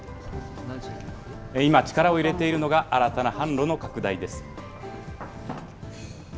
今、力を入れているのが、新たな販路の拡大です。